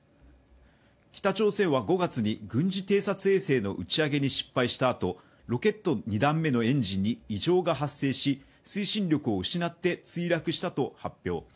北朝鮮は５月に軍事偵察衛星の打ち上げに失敗したあと、ロケット２段目のエンジンに異常が発生し、推進力を失って墜落したと発表。